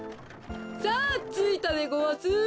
さあついたでごわす。